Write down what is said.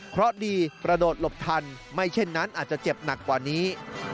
เพราะดีกระโดดหลบทันไม่เช่นนั้นอาจจะเจ็บหนักกว่านี้